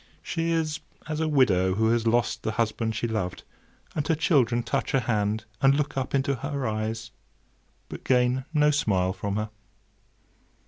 She is as a widow who has lost the husband she loved, and her children touch her hand, and look up into her eyes, but gain no smile from her.